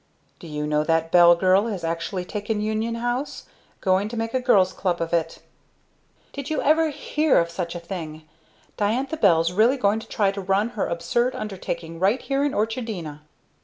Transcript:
"Do you know that Bell girl has actually taken Union House? Going to make a Girl's Club of it!" "Did you ever hear of such a thing! Diantha Bell's really going to try to run her absurd undertaking right here in Orchardina!"